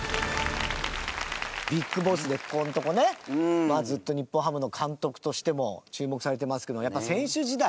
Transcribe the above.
ＢＩＧＢＯＳＳでここのとこねずっと日本ハムの監督としても注目されてますけどやっぱ選手時代